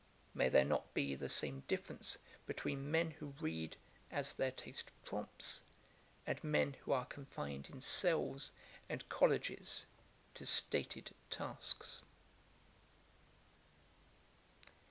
May there not be the same difference between men who read as their taste prompts and men who are confined in cells and colleges to stated tasks?